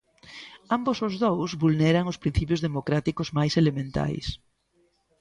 Ambos os dous vulneran os principios democráticos máis elementais.